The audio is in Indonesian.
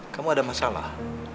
kamu ada masalah